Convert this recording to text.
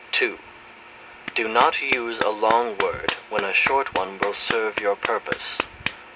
(2) Do not use a long word when a short one will serve your purpose.